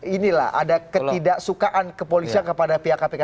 inilah ada ketidaksukaan kepolisian kepada pihak kpk